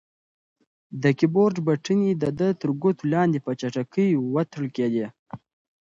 د کیبورډ بټنې د ده تر ګوتو لاندې په چټکۍ وتړکېدې.